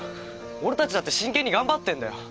俺たちだって真剣に頑張ってんだよ。